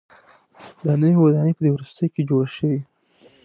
دا نوې ودانۍ په دې وروستیو کې جوړه شوې.